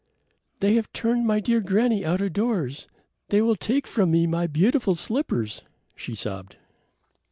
"They have turned my dear granny out of doors; they will take from me my beautiful slippers," she sobbed.